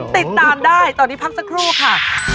ติดตามได้ตอนนี้พักสักครู่ค่ะ